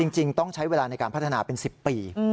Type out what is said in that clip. จริงต้องใช้เวลาในการพัฒนาเป็น๑๐ปี